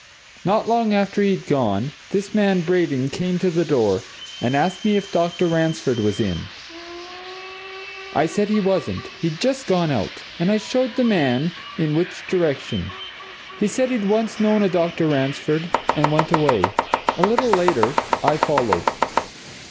Not long after he'd gone, this man Braden came to the door, and asked me if Dr. Ransford was in? I said he wasn't he'd just gone out, and I showed the man in which direction. He said he'd once known a Dr. Ransford, and went away. A little later, I followed.